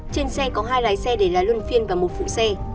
trên xe có hai lái xe để lái luân phiên và một phụ xe